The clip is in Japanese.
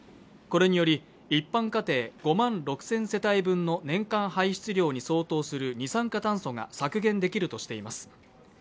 これにより、一般家庭５万６０００世帯分の年間排出量に相当する二酸化炭素が削減できるとしています。